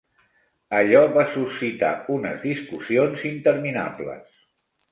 Allò va suscitar unes discussions interminables.